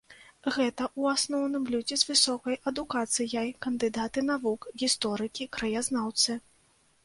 Гэта ў асноўным людзі з высокай адукацыяй, кандыдаты навук, гісторыкі, краязнаўцы.